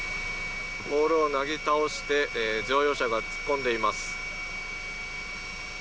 ポールをなぎ倒して乗用車が突っ込んでいます。